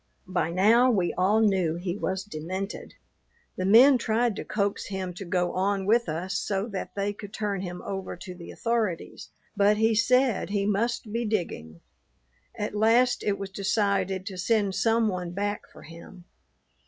By now we all knew he was demented. The men tried to coax him to go on with us so that they could turn him over to the authorities, but he said he must be digging. At last it was decided to send some one back for him.